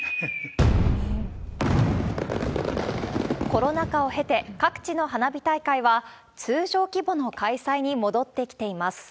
コロナ禍を経て、各地の花火大会は通常規模の開催に戻ってきています。